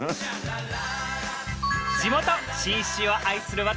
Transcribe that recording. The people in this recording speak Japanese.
信州を愛する私